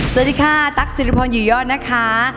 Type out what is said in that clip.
สวัสดีค่ะตั๊กสิริพรอยู่ยอดนะคะ